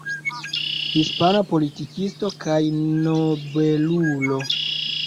Hispana politikisto kaj nobelulo.